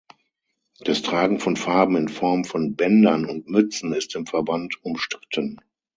Das Tragen von Farben in Form von Bändern und Mützen ist im Verband umstritten.